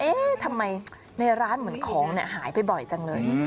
ทำไมในร้านเหมือนของหายไปบ่อยจังเลย